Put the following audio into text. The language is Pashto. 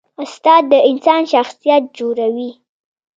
استاد د انسان شخصیت جوړوي.